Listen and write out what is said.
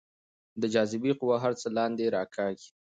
د جاذبې قوه هر څه لاندې راکاږي.